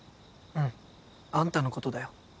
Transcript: うんあんたのことだよ。